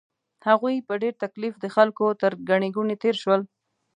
هغوی په ډېر تکلیف د خلکو تر ګڼې ګوڼې تېر شول.